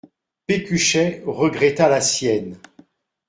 Pécuchet regretta la sienne.